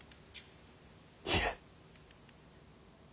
いえ。